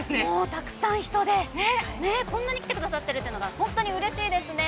たくさんの人で、こんなに来てくださっているというのが本当にうれしいですね。